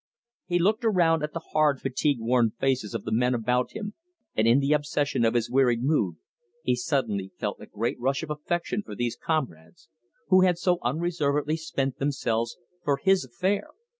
He looked around at the hard, fatigue worn faces of the men about him, and in the obsession of his wearied mood he suddenly felt a great rush of affection for these comrades who had so unreservedly spent themselves for his affair.